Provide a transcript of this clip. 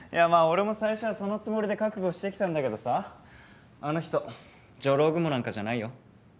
俺も最初はそのつもりで覚悟してきたんだけどさあの人ジョロウグモなんかじゃないよ。